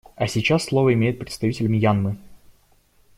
А сейчас слово имеет представитель Мьянмы.